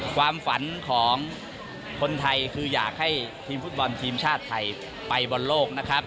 ความฝันของคนไทยคืออยากให้ทีมฟุตบอลทีมชาติไทยไปบอลโลกนะครับ